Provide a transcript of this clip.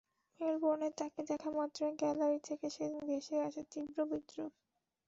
মেলবোর্নে তাঁকে দেখা মাত্রই গ্যালারি থেকে সেদিন ভেসে আসে তীব্র বিদ্রূপ।